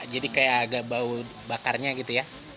jadi kayak agak bau bakarnya gitu ya